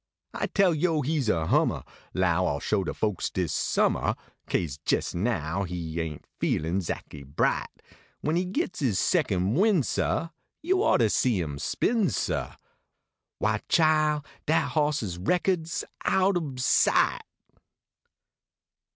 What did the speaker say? I tale yo he s a hummah, Low I ll show de folks dis sumniah, Kase jes now he aint feelin zackly bright, When he gets is second win sah, Yo ought to see him spin, sah, Why, chile, dat hoss s reckod s out ob sight.